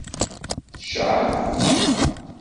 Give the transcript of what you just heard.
Tecɛef?